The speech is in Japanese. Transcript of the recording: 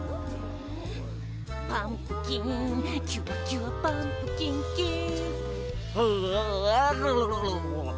「パンプキーンキュアキュアパンプキンキーン」